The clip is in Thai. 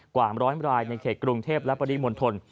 กว่า๑๐๐รายในเขตกรุงเทพและประดิมนตน